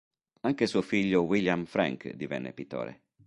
Anche suo figlio William Frank divenne pittore.